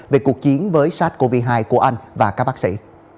về cuộc chiến với sars cov hai của anh và các bác sĩ